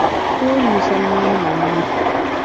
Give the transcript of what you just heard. ټول مسلمانان یو